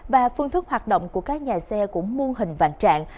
và phương thức hoạt động của các nhà xe cũng muôn hình vạn trạng